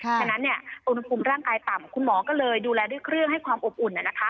ฉะนั้นอุณหภูมิร่างกายต่ำคุณหมอก็เลยดูแลด้วยเครื่องให้ความอบอุ่น